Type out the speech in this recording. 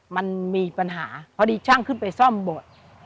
มันมีปัญหาพอดีช่างขึ้นไปซ่อมบท